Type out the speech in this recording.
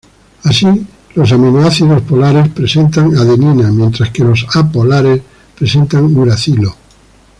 Así los aminoácidos polares presentan adenina mientras que los apolares presentan uracilo.